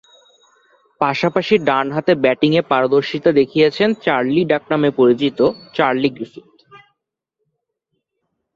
পাশাপাশি ডানহাতে ব্যাটিংয়ে পারদর্শীতা দেখিয়েছেন ‘চার্লি’ ডাকনামে পরিচিত চার্লি গ্রিফিথ।